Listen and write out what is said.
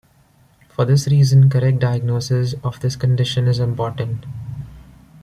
For this reason, correct diagnosis of this condition is important.